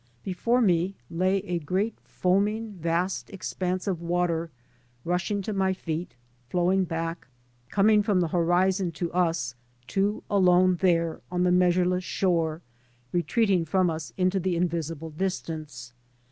Before me lay a great foaming vast expanse of water, rushing to my feet, flowing back, coming from the horizon to us two alone there on the measureless shore, retreating from us into the invisible distance.